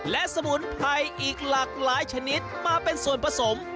และสมุนไพรอีกหลากหลายชนิดมาเป็นส่วนผสม